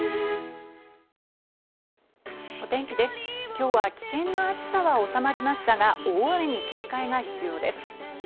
今日は危険な暑さは収まりましたが、大雨に警戒が必要です。